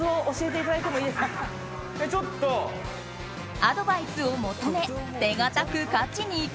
アドバイスを求め手堅く勝ちにいく。